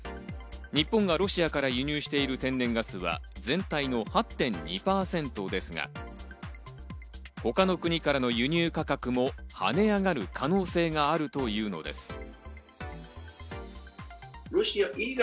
日本がロシアから輸入している天然ガスは全体の８．２％ですが、他の国からの輸入価格も跳ね上がる可能性があるというのです。